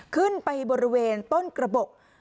ขึ้นไปบริเวณต้นกระบบ